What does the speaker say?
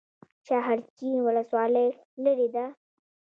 شاحرچین ولسوالۍ لیرې ده؟